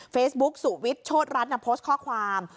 เฟซบุ๊กสุวิทย์โชธรัฐโพสต์ข้อความ